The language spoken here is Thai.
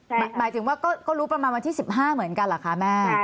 หมายถึงว่าก็รู้ประมาณวันที่๑๕เหมือนกันเหรอคะแม่